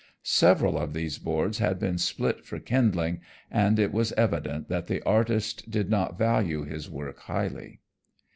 Several of these boards had been split for kindling and it was evident that the artist did not value his work highly.